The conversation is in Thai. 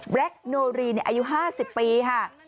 เบรคโนรีในอายุ๕๐ปีค่ะ